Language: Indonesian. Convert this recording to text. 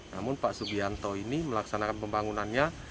namun pak subianto ini melaksanakan pembangunannya